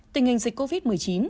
tình hình dịch covid một mươi chín